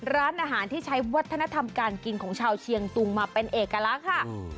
ร้านอาหารที่ใช้วัฒนธรรมการกินของชาวเชียงตุงมาเป็นเอกลักษณ์ค่ะ